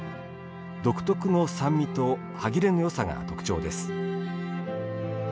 独特の酸味と歯切れのよさが特徴です。